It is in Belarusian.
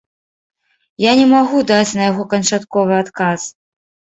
Я не магу даць на яго канчатковы адказ.